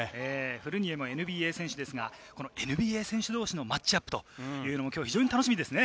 フルニエもＮＢＡ選手ですが、ＮＢＡ選手同士のマッチアップも非常に楽しみですよね。